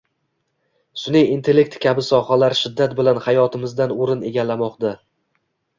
sun’iy intellekt kabi sohalar shiddat bilan hayotimizdan o‘rin egallamoqda